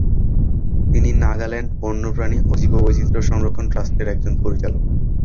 তিনি নাগাল্যান্ড বন্যপ্রাণী ও জীববৈচিত্র্য সংরক্ষণ ট্রাস্টের একজন পরিচালক।